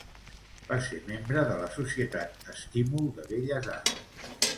Va ser membre de la Societat Estímul de Belles Arts.